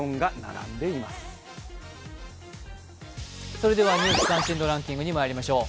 それでは「ニュース関心度ランキング」にまいりましょう。